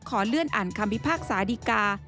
ขอเลื่อนอ่านคำพิพากษาดีกา